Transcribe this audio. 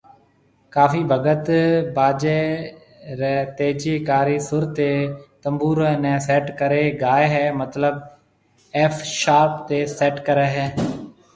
ڪافي ڀگت باجي ري تيجي ڪاري سُر تي تنبوري ني سيٽ ڪري گائي ھيَََ مطلب ايف شارپ تي سيٽ ڪري ھيَََ